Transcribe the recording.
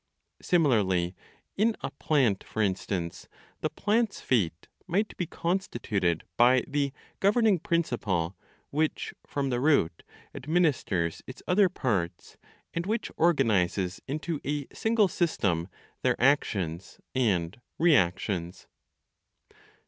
Similarly, in a plant, for instance, the plant's fate might be constituted by the ("governing") principle which, from the root, administers its other parts, and which organizes into a single system their "actions" and "reactions."